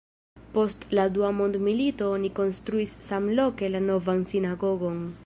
Post la Dua mondmilito oni konstruis samloke la Novan sinagogon.